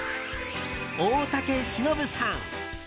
大竹しのぶさん。